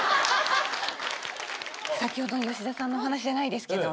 先程の吉田さんのお話じゃないですけど。